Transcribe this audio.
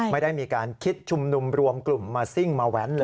ไม่ได้มีการคิดชุมนุมรวมกลุ่มมาซิ่งมาแว้นเลย